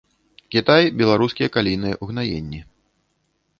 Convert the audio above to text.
Кітай беларускія калійныя ўгнаенні.